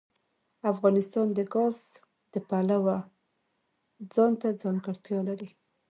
افغانستان د ګاز د پلوه ځانته ځانګړتیا لري.